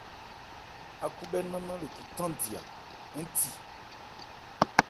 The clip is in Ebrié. Ákhúbhɛ́ nannán le cu thándi ń thi.